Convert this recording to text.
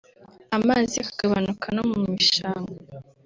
amazi akagabanuka no mu bishanga